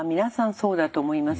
そうだと思います。